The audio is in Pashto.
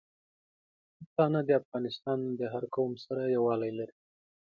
پښتانه د افغانستان د هر قوم سره یوالی لري.